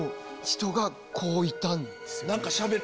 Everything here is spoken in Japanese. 人がこういたんです。